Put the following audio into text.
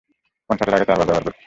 কনসার্টের আগে চারবার ব্যবহার করবি।